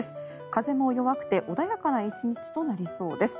風も弱くて穏やかな１日となりそうです。